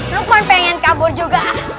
lu kan pengen kabur juga